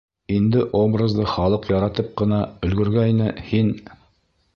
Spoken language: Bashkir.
Инде образды халыҡ яратып ҡына өлгөргәйне, һин!..